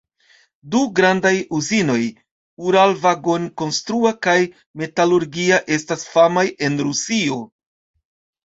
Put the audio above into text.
Du grandaj uzinoj—Uralvagonkonstrua kaj Metalurgia estas famaj en Rusio.